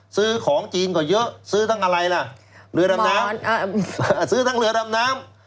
ซื้อของจีนก็เยอะซื้อทั้งอะไรล่ะเรือดำน้ำซื้อทั้งเรือดำน้ำ